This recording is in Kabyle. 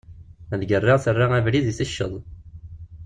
Lgerra terra abrid itecceḍ.